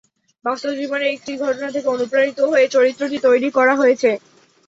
বাস্তব জীবনের একটি ঘটনা থেকে অনুপ্রাণিত হয়ে চরিত্রটি তৈরি করা হয়েছে।